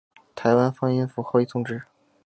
台湾方音符号亦从之。